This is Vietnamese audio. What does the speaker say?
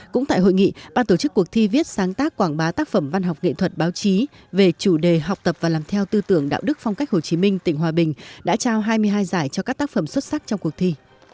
cũng tại hội nghị ban tổ chức cuộc thi viết sáng tác quảng bá tác phẩm văn học nghệ thuật báo chí về chủ đề học tập và làm theo tư tưởng đạo đức phong cách hồ chí minh tỉnh hòa bình đã trao hai mươi hai giải cho các tác phẩm xuất sắc trong cuộc thi